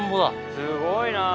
すごいな。